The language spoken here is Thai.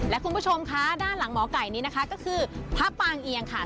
และคุณผู้ชมคะด้านหลังหมอไก่นี้นะคะก็คือพระปางเอียงค่ะ